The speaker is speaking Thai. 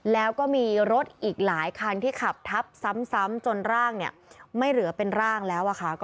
แล้วก็มีรถอีกหลายคันที่ขับทับซ้ำจนร่างไม่เหลือเป็นร่างแล้ว